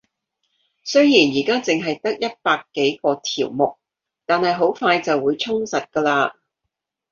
雖然而家淨係得一百幾個條目，但係好快就會充實㗎喇